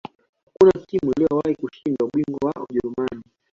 hakuna timu iliyowahi kushinda ubingwa wa ujerumani